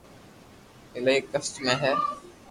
ايلائي ڪسٽ ۾ ھي